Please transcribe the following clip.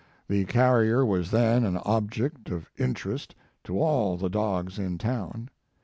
The carrier was then an object of interest to all the dogs in town.